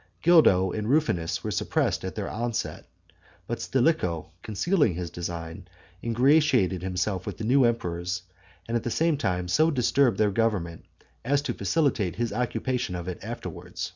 Gildo and Ruffinus were suppressed at their outset; but Stilicho, concealing his design, ingratiated himself with the new emperors, and at the same time so disturbed their government, as to facilitate his occupation of it afterward.